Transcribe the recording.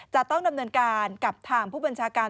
จะต้องดำเนินการกับทางผู้บัญชาการ